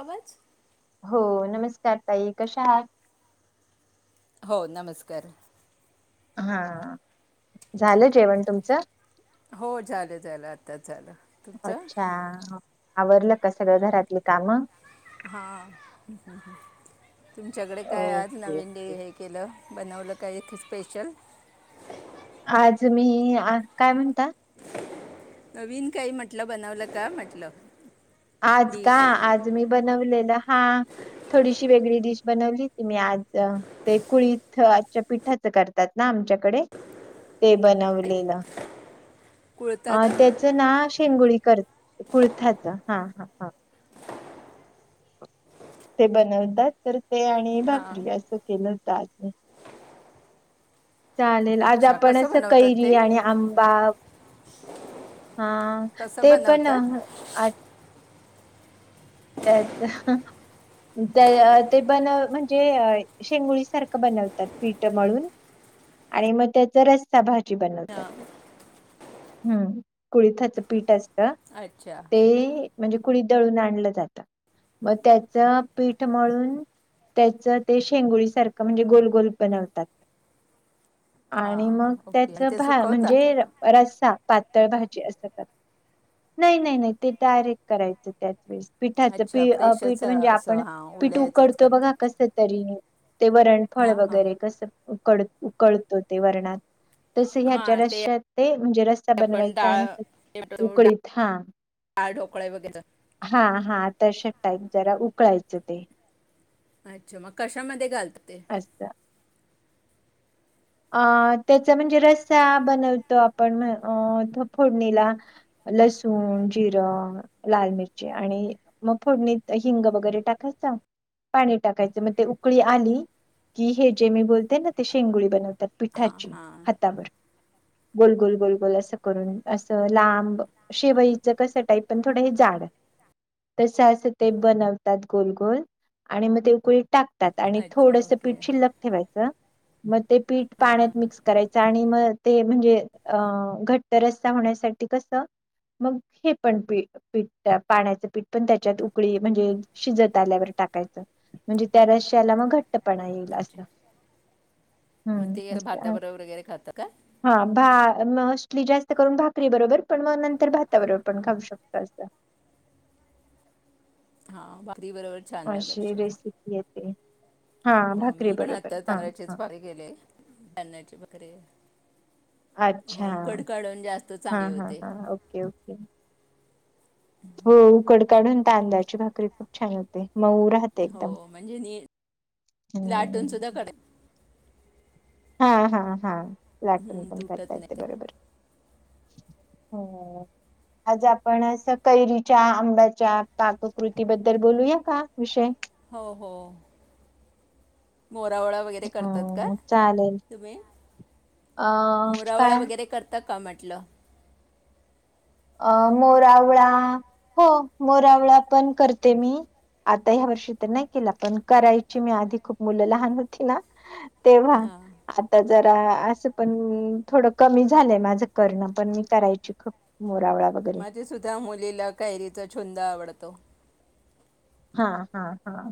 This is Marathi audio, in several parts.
आवाज हो नमस्कार ताई कशा आहात. हो नमस्कार. हा झालं जेवण तुमचं हो झालं झालं आताच झालं तुमचं अच्छा आवरलं का सगळ घरातली कामं. हा. तुमच्याकडे काय आज ओके नवीन डे ओके हे केलं. बनवलं काही एक स्पेशल. आज मी आज काय म्हण नवीन काही म्हटलं बनवलं का म्हटलं आज का डिश आज मी बनवलेलं हा थोडीशी वेग डिश बनवली ती आज ते कुळी आजच्या पिठाच करतात ना आमच्याकडे ते बनवलेलं. कुळतात अ त्याचं ना शेंगोळी कर कुळथाचा. हा हा हा. ते बनवतात तर ते आणि हां भाकरी असं केलं होतं ताज. चालेल आज अच्छा आपण कसं असं बनवतात कैरी ते आणि आंबा हा कसं ते पण बनवतात त्याच ते बनव म्हणजे शेंगोळी सारखं बनवतात पीठ मळून आणि मग त्याच रस्सा भाजी बनवतात हां हम् कुळीथच पीठ अस अ अच्छा ते, म्हणजे कुडी दळून आणलं जात. मग त्याच पीठ म्हळून त्याच ते शेंगुळी सारखं म्हणजे गोल-गोल बनवतात. आणि मग ओके त्याच आणि ते सुकवतात म्हणजे रसा पात. तळ भाजी असं नाही-नाही-नाही ते डायरेक्ट करायचं त्याच वेळेस, पिठाचं अच्छा पी फ्रेशच पीठ म्हणजे असं आपण हां पीठ ओल्याचंच उकडतो बघा करतात कस तरी. ते वरणफळ हां हां वगैरे कसं कडत. उकळतो ते वर्णात, तस ह्याच्या हां ते रस्त्यात ते म्हणजे रस्ता आपण बनवायचा डाळ आणि टोमॅटो, डाळ उकळीत हां-हा. ढोकळे वगैरे हा तसे टाईप जरा उकळायचं ते, अच्छा मग कशामध्ये घालत. अच्छा, अ त्याचा म्हणजे रसा बनवतो आपण अ फोडणीला लसूण, जिरं, लाल मिरची आणि मग फोडणीत हिंग वगैरे टाकायचं, पाणी टाकायचं मग ते उकळी आली, की हे जे मी बोलते ना ते शेंगुळी बनवते. हां पिठाचे हां हातावर, गोलगोल गोलगोल असं करून असं लांब शेवईच कस टाईप पण थोडं हे झाड तस असं ते बनवतात गोलगोल आणि मग ते उकळी टाक. आणि अच्छा थोडस ओके पीठ हां शिल्लक ठेवायचं म ते पिट. पाण्यात मिक्स करायचं आणि मग ते म्हणजे अ घट्ट रस्ता होण्यासाठी कस, मग हे पण प पीठ पाण्याचं पीठ पण त्याच्यात उकळी म्हणजे शिजत आल्यावर टाकायचं म्हणजे त्या रस्याला मग घट्ट पणा येईल हां, असं, हम्म. गेर भाता अच्छा. बरोबर वगैरे खात का? मस्टली जास्त करून भाकरी बरोबर पण व नंतर भाताबरोबर पण खाऊ शकतो अस. हा बा, अशी रेसिपी येते. हा हो भाकरी मी पण बरोबर आता हा हा तांदळाचीच भाकरी केली, तांदळाची भाकरीय अच्छा! जास्त चांगली होते हा-हा-हा ओके ओके हो, उकड काढून तांदळाची भाकरी खूप छान होते. मऊ राहते हो एकदम म्हणजे नी लाटून सुद्धा हं काढ हा-हा-हा लाटून हं, पण करता तुटत येत ते नाही बरोबर, हो-हो आज आपण अस कैरीच्या, आंब्याच्या पाककृती बद्दल बोलूया का विषय? हो-हो मोरावळा वगैरे करतात का? हम्म चालेल. तुम्ही अ मोरावळा काय वगैरे करतात. का म्हटलं? अ मोरावळा हो मोरावळा पण करते मी आता ह्या वर्षी तर नाही केला, पण करायची मी आधी खूप मुलं लहान होती ना तेव्हा, हां आता जरा पण थोडं कमी झालंय माझं करणं पण, मी करायची खूप मोरावळा वगैरे माझेसुद्धा, मुलीला कैरीचा छुंद आवडत कत्तो [inaudible] हा हा हा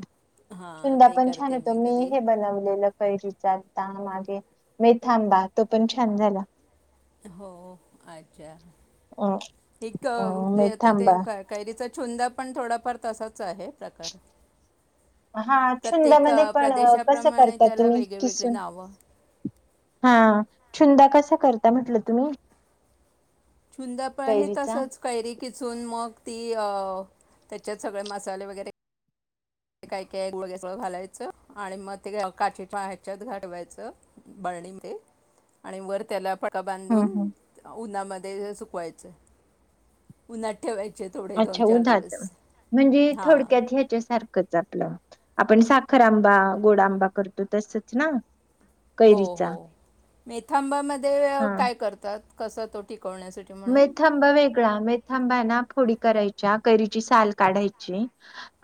हां छुंदा, ते पण छान करते होतो मी कधी हे बनवलेलं कैरी चाल मागे मेथांबा, तो पण छान झाला हो अच्छा अ एक अ जे आता ते मेथांबा कैयरीचं छुंदा पण थोडाफार तसाच आहे प्रकार हा प्रत्येक छुंदामध्ये अ, पण कस प्रदेशाप्रमाणे करता त्याला तुम्ही? वेगवेगळे किसून नावं हा छुंद कसा‌ कस करता म्हटलं तुम्ही? छुंदा, पण हे कैरीचा तसच कैरी खिचून मग ती त्याच्यात सगळे मसाले वगैरे काय का गळळ घालायचं आणि मग ते काचेच्या ह्याच्यात घाटवायचं बळणीमध्ये आणि वर त्याला पण का हम्म बांधून हम्म उन्हामध्ये? ते सुकवायच, उन्हात ठेवायच अच्छा उन्हात, म्हणजे हा थोडक्यात ह्याच्यासारखं आपलं आपण साखर आंबा गोड आंबा करतो तसच ना? हो हो कैरीचा मेथांबामध्ये हा काय करतात? कसा तो टीक मेथांबा वेगळा मेथांबा आहे ना फोडी करायच्या कैरीची साल काढायची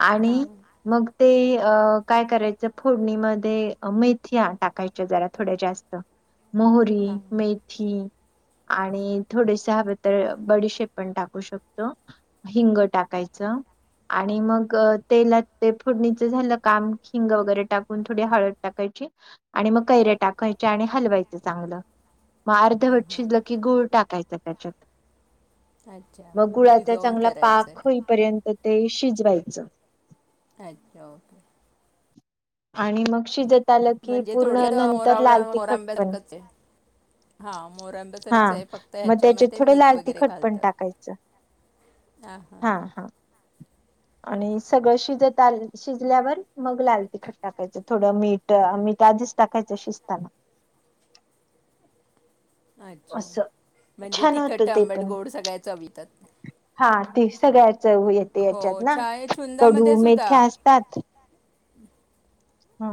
आणि हां मग ते अ काय करायचं फोडणीमध्ये मैथिया टाकायच्या जरा थोड्या जास्त मोहरी हां मेथी आणि थोडेस हवे तर बडीशेप पण टाकू शकतो हिंग टाकायचं आणि मग तेला ते फोडणीच झालं काम हिंग वगैरे टाकून थोडी हळद टाकायची आणि मग कैर्या टाकायचे आणि हलवायचं चांगलं मग हां अर्धवट शिजलं की गुळ टाकायच सकाच हां अच्छा मग गुळाचा शिजवून चांगला करायचं पाक आहे होईपर्यंत ते शिजवाईचं अच्छा ओके आणि मग शिज म्हणजे थोड मोरावळ्या पण मोरांब्यासारखच आहे हा मोर आंब्यासारच आहे फक्त ह त्याच्यात थोडं लाल तिखट पण टाकायचं हां हां हा हा आणि सगळं शिजत आ शिजल्यावर मग लाल तिखट टाकायचं थोडं मीठ मीठ आधीच टाकायचं शिजताना अच्छा असं म्हणजे छान तिखट होतं ते आंबेड पण गोड सगळ्या चवितात सगळ्यात येते हो याच्यात ना चाय कडू मेथ्या असतात हम् हा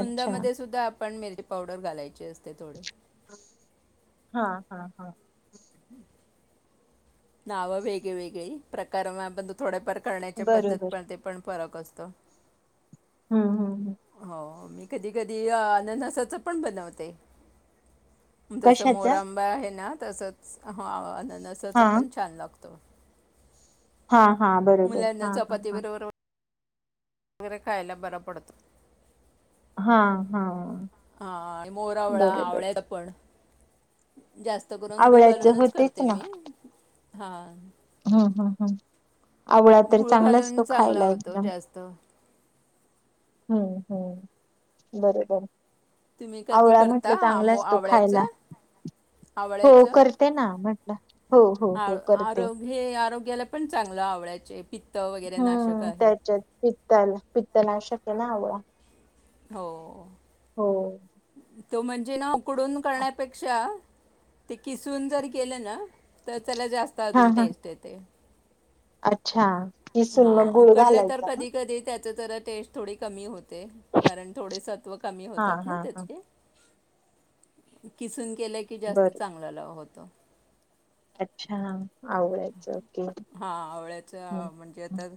अच्छा सुद्धा पण मिरची पावडर घालायची असते थोडे हा हा हा हम् नाव वेगळे वेगळे प्रकरम बंु थोडे पर करण्याच्या पद्धत बरोबर पण ते पण फरक असत कता हम् हम् ह हो मी कधी कधी अननसाच पण बनवते जसं कशाच्या मोरांबा आहे ना तसंच हान नसच हा पण छान लागत तो हा हा बरोबर हा हा हा भायंगर काायला बलपळतू हा हा हा आणि मोरावळा बरोबर आवळ्याचा पण जास्त करून दूध आवळ्याच हो घालूनच तेच करते ना मी हा हम्म हम्म हम्म आवळा तर गुळ घालून चांगलाचआसतो चांगला खायला होतो एकदम जास्त हम्म हम्म बरोबर तुम्ही कधी आवळा म्हटलं करता चांगला आमो असतो खायला आवळ्याचं हो आवळ्याचं करते ना म्हटलं हो हो आ हो करते आरोग्य हे आरोग्याला पण चांगलं आवल्याचे हम्म त्याच्यात पित्ताला पित्त नाशक त्यांना हवा हो हो तो म्हणजे ना उकडून करण्यापेक्षा ते किसून जर केल ना. तर त्याला जास्त हा अजून हा टेस्ट येते. अच्छा हा किसून मग गुळ उकडलं तर घालायचा ना कधी कधी त्यात ते खर टेस्ट थोडी कमी होते. ते कारण थोडे सत्व कमी हा होतात ना हा हा त्यातले किसून केलं की जास्त बर चांगला होत. तो अच्छा आवल्याच ओके हां आवळ्याचं म्हणजे आता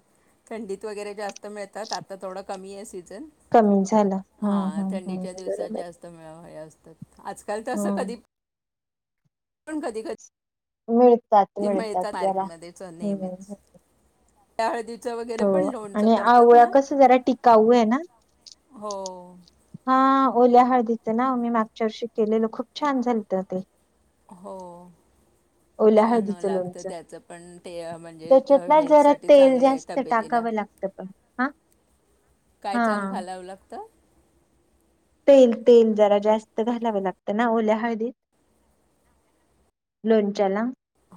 थंडीत वगैरे जास्त मिळतात आता थोडं कमी असतील. कमी झालं हम्म हा हम्म हम्म थंडीच्या दिवसात बरोबर जास्त मिळतात. आजकाल तर असं हम्म कधी पण कधी कधी मिळतात मिळतात जरा मार्केटमध्ये च नेहमीच हम् त्या हळदीत हो आणि आवळा कस जरा टिकाऊ आहे ना. हो. हा ओल्या हळदीचं ना मी मागच्या वर्षी केलेलो खूप छान झालत ते हो ओल्या छान हो हळदीचं लागतं लोणचं त्याचं पण ते म्हणजे त्याच्यात ना हेल्थ जरा साठी तेल चांगलं आहे जास्त तब्येतीला टाकावं लागतं पण हा काय हा सांग घालावं लागतं. तेल तेल जरा जास्त घालावं लागतं ना ओल्या हळदीत लोणच्याला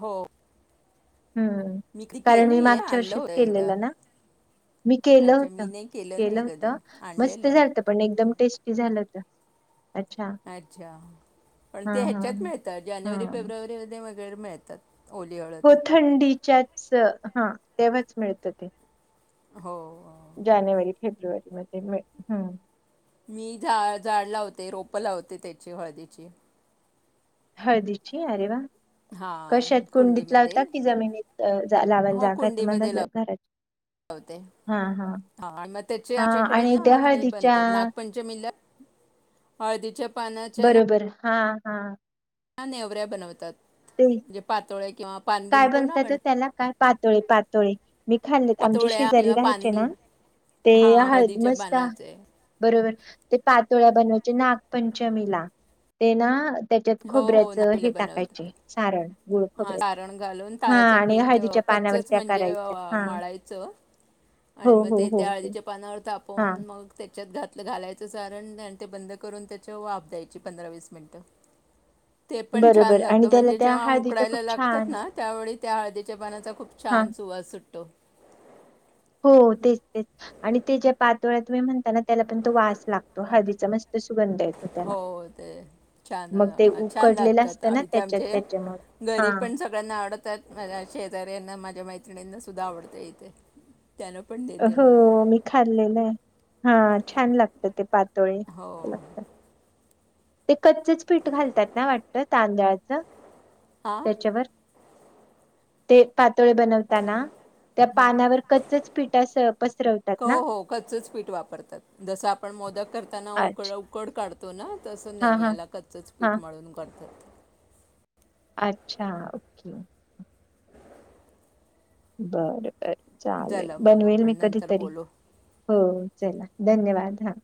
हो हम् मी कधी कारण केलं मी नाही आहे मागच्या आणलं वर्षीच होतं एकदा केलेलं ना मी केलं अच्छा मी होतं नाही केलं नाही कधी होतं. मस्त आणलेलं झालंत पण एकदम टेस्टी झालं होतं. अच्छा पण हा ते हा ह्याच्यात हा मिळतं जानेवारी हा. फेब्रुवारी म [unintelligible] मिळतं हो थंडीच्याच हा तेव्हाच मिळतं ते हो. फेब्रुवारीमध्ये मे हम्म मी झा झाड लावते रोपं लावते त्याची हळदीची हळदीची अरे वा हां कशात कुंडीत कुंडीमध्ये लावता कि जमिनीत लावयला हो जागा आहे तुम्हाला कुंडीमध्ये ज घराची लावते हा हा हां आणि मग त्याचे हा आमच्याकडे आणि त्या हळदीच्या हळदीचे पानाच्या ना बरोबर हा, हा नेवऱ्या बनवतात ते म्हणजे पातोळ्या किंवा पानगी काय म्हणतो ना बनत त आपण त्याला काय पातोळे पातोळे मी खाल्लेत आमचे पातोळ्या शेजारी किंवा राहायचे पानगी ना ते हां हळद हळदीच्या मस्त पानाचे बरोबर ते पातोळ्या बनवायचे नागपंचमीला ते ना त्याच्यात खोबऱ्याचं हे टाकायचं हा सारण घालून हा ताराच आणि पीठ हळदीच्या पानावर कच्चच त्या म्हणजे करायच्या हा मळायचं हो, आणि मग हो, ते हो, त्या हो. हळदीच्या पानावर तापवून हां, मग त्याच्यात घात घालायचं सारण आणि ते बंद करून त्याच्याव वाफ द्यायची पंधरा वीस मिनिटं ते पण छान बरोबर आणि लागतं त्याला म्हणजे त्या जेव्हा हळदीचं खूप उकडायला लागतात छान ना त्यावेळी त्या हळदीच्या पानाचा खूप हां. छान सुवास सुटतो. हो तेच तेच आणि ते ज्या पातोळ्या तुम्ही म्हणता ना त्याला पण तो वास लागतो हळदीचा मस्त सुगंध येतो त्याला. हो ते छान मग ते छान उकडलेलं लागतात असतं ना आणि ते त्याच्यात आमच्या त्याच्यामुळे. घरी हां. पण सगळ्यांना आवडत तर माझ्या शेजाऱ्यांना माझ्या मैत्रिणींना सुद्धा आवडते इथे त्यांना पण देते हो मग. मी खाल्लेलं आहे हा छान लागतं ते हो [unintelligible] ते कच्चच पीठ घालतात ना वाटतं तांदळाचं हां त्याच्यावर ते पातोळे बनवताना त्या ह पानावर कच्चच पीठ असं पसरवतात हो ना? हो कच्चच पीठ वापरतात जसं आपण मोदक करताना उकड अच्छा. उकड काढतो. तो ना तसं हां, नाही हां, याला कच्चंच हां. पीठ मळून करतात. अच्छा ओके बर, बर चालेल झालं मग बनवेल आपण मी नंतर कधीतरी बोलू हो चला धन्यवाद हा.